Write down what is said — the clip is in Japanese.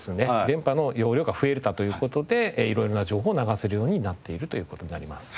電波の容量が増えたという事で色々な情報を流せるようになっているという事になります。